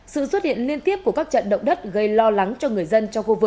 sự xuất hiện liên tiếp của các trận động đất gây lo lắng cho người dân